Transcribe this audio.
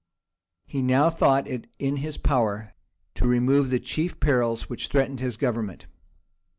He now thought it in his power to remove the chief perils which threatened his government.